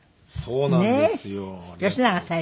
そうなんですよ。